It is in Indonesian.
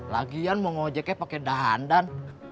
lagian mau ngojeknya pake dandan